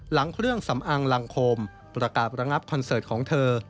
หลังเครื่องสำอางลังโคมประกาศระงับคอนเสิร์ตของเธอ